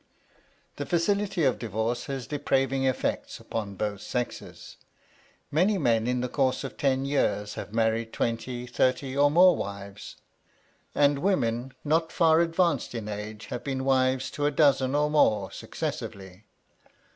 The facility of divorce has depraving effects, upon both sexes. Many men in the course of ten years have married twenty, thirty, or more wives; and women not far advanced in age have been wives to a dozen or more successively.